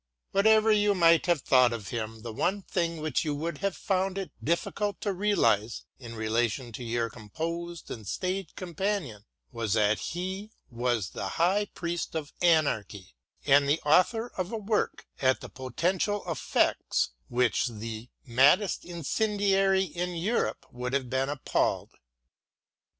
Whatever you might have thought of him, the one thing which you would have found it difficult to realise in relation to your composed and staid companion was that he was the high priest of anarchy and the author of a work at the potential effects of which the maddest incendiary in Europe would have been appalled.